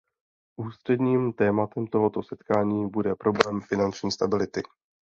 Ústředním tématem tohoto setkání bude problém finanční stability.